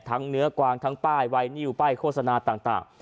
เนื้อกวางทั้งป้ายไวนิวป้ายโฆษณาต่าง